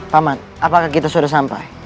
pak mat apakah kita sudah sampai